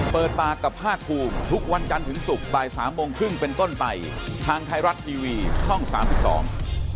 เปิดปากกับภาคภูมิทุกวันจันทร์ถึงศุกร์บ่ายสามโมงครึ่งเป็นต้นไปทางไทยรัฐทีวีช่องสามสิบสอง